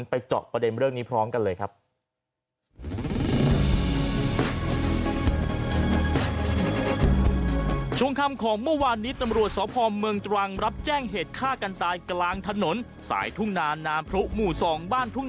เจาะประเด็นเรื่องนี้พร้อมกันเลยครับ